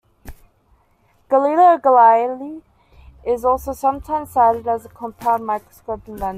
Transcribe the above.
Galileo Galilei is also sometimes cited as a compound microscope inventor.